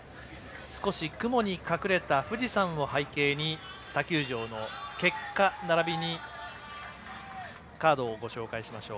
少し雲に隠れた富士山を背景に他球場の結果ならびにカードをご紹介しましょう。